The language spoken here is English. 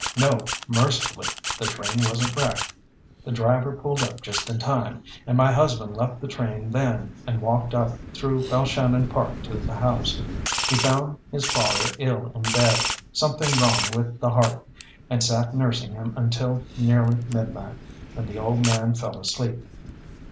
No, mercifully the train wasn't wrecked. The driver pulled up just in time, and my husband left the train then, and walked up through Balshannon Park to the house. He found his father ill in bed; something wrong with the heart, and sat nursing him until nearly midnight, when the old man fell asleep.